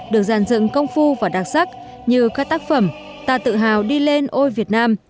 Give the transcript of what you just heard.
được giàn dựng công phu và đặc sắc như các tác phẩm ta tự hào đi lên ôi việt nam